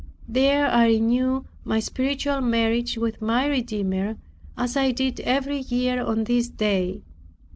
There I renewed my spiritual marriage with my Redeemer, as I did every year on this day.